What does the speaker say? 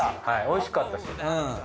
はいおいしかったし。